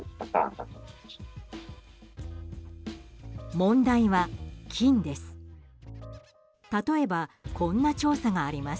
問題は菌です。